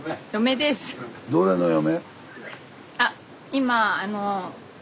どれの嫁？